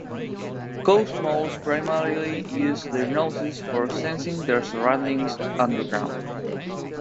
Coast moles primarily use their noses for sensing their surroundings underground.